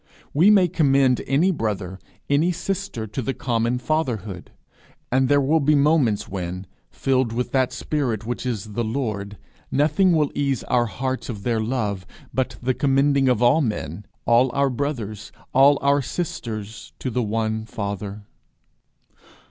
We may commend any brother, any sister, to the common fatherhood. And there will be moments when, filled with that spirit which is the Lord, nothing will ease our hearts of their love but the commending of all men, all our brothers, all our sisters, to the one Father.